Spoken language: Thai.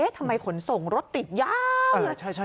ทำไมขนส่งรถติดยาว